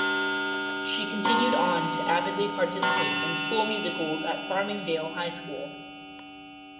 She continued on to avidly participate in school musicals at Farmingdale High School.